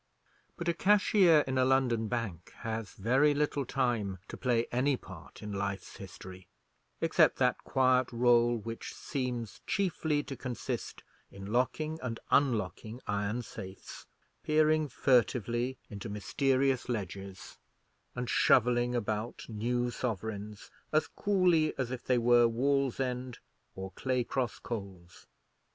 But a cashier in a London bank has very little time to play any part in life's history, except that quiet rôle which seems chiefly to consist in locking and unlocking iron safes, peering furtively into mysterious ledgers, and shovelling about new sovereigns as coolly as if they were Wallsend or Clay Cross coals.